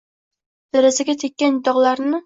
derazaga tekkan dogʼlarni